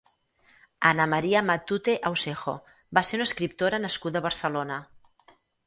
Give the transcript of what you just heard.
Ana María Matute Ausejo va ser una escriptora nascuda a Barcelona.